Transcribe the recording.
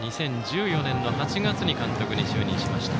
２０１４年の８月に監督に就任しました。